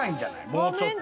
もうちょっと。